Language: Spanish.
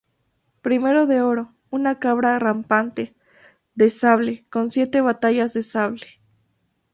Primero de oro, una cabra rampante, de sable, con siete batallas de sable.